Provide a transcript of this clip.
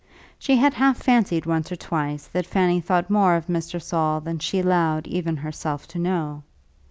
She had half fancied once or twice that Fanny thought more of Mr. Saul than she allowed even herself to know.